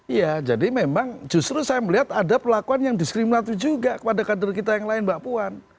iya jadi memang justru saya melihat ada perlakuan yang diskriminatif juga kepada kader kita yang lain mbak puan